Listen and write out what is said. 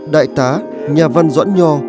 đại tá nhà văn doãn nho